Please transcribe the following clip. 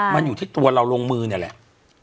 มันอยู่ที่ตัวเราลงมือนี่แหละ